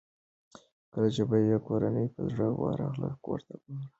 کله چې به یې کورنۍ په زړه ورغله کورته به راغی.